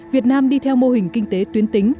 việt nam đi theo mô hình kinh tế tuyến tính